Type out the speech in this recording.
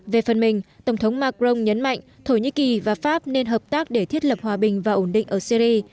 về phần mình tổng thống macron nhấn mạnh thổ nhĩ kỳ và pháp nên hợp tác để thiết lập hòa bình và ổn định ở syri